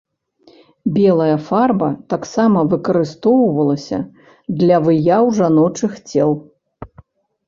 Белая фарба таксама выкарыстоўвалася для выяў жаночых цел.